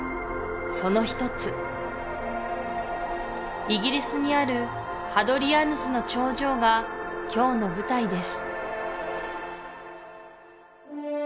その一つイギリスにあるハドリアヌスの長城が今日の舞台です